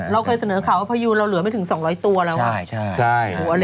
เราเคยเสนอข่าวว่าพยูนเราเหลือไม่ถึง๒๐๐ตัวแล้ว